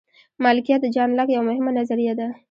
مالکیت د جان لاک یوه مهمه نظریه ده.